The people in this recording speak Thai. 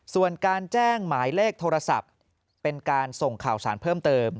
ส่วนการแจ้งหมายเลขโทรศัพท์เป็นการส่งข่าวสารเพิ่มเติม